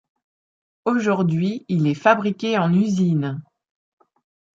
Aujourd'hui, il est fabriqué en usine.